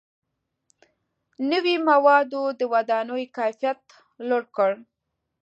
• نوي موادو د ودانیو کیفیت لوړ کړ.